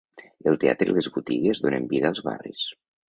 El teatre i les botigues donen vida als barris.